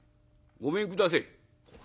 ごめんくだせえ」。